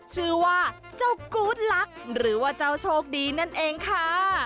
ชื่อว่าเจ้ากู๊ดลักษณ์หรือว่าเจ้าโชคดีนั่นเองค่ะ